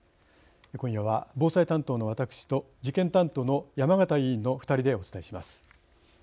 今夜は防災担当の私と事件担当の山形委員の２人でお伝えします。